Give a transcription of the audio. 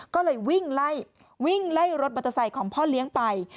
ก็เลยวิ่งไล่วิ่งไล่รถมอเตอร์ไซค์ของพ่อเลี้ยงไป